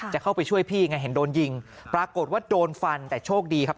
จะเข้าไปช่วยพี่ไงเห็นโดนยิงปรากฏว่าโดนฟันแต่โชคดีครับ